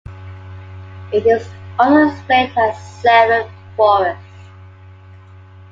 It is also explained as "Seven Forest".